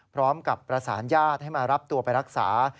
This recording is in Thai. พร้อมกับประสานญาติให้มารับตัวไปรักษา